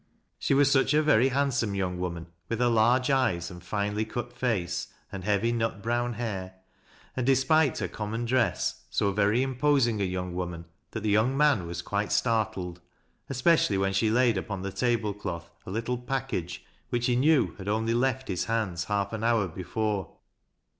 She was such a very handsome young woman, with ber large eyes and finely cut face, and heavy nut brown hair, and, despite her common dress, so very imposing & young woman, that the young man was quite startled,— especially when she laid upon the table cloth a little package, which he knew had only left his hands b*lf ai hour before.